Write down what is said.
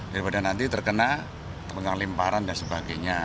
daripada nanti terkena penyakit limparan dan sebagainya